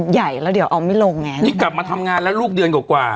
ใหญ่แล้วเดี๋ยวเอาไม่ลงไงนี่กลับมาทำงานแล้วลูกเดือนกว่ากว่า